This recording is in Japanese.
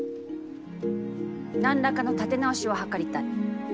何らかの立て直しを計りたい。